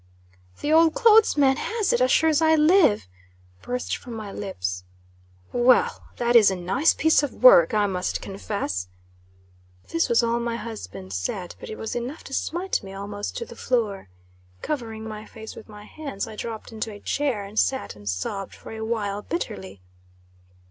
"The old clothes man has it, as sure as I live!" burst from my lips. "Well, that is a nice piece of work, I must confess!" This was all my husband said; but it was enough to smite me almost to the floor. Covering my face with my hands, I dropped into a chair, and sat and sobbed for a while bitterly.